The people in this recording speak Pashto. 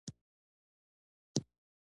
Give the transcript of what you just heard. چې پر خپلو فتوحاتو او لښکرو ډېر مغرور شو.